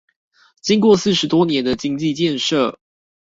經過四十多年的經濟建設